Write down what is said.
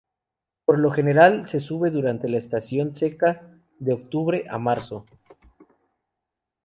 Por lo general se sube durante la estación seca: de octubre a marzo.